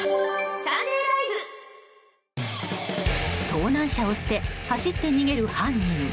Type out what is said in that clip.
盗難車を捨て走って逃げる犯人。